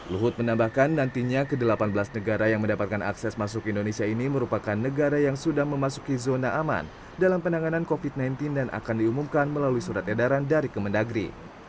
luhut menambahkan nantinya ke delapan belas negara yang mendapatkan akses masuk indonesia ini merupakan negara yang sudah memasuki zona aman dalam penanganan covid sembilan belas dan akan diumumkan melalui surat edaran dari kemendagri